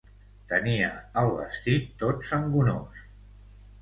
Tenia el vestit tot sangonós.